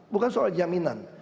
bukan soal jaminan